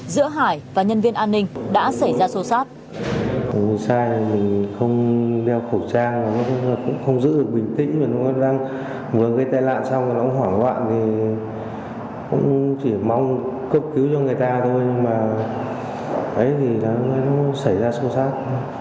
giữa hải và nhân viên an ninh đã xảy ra sâu sát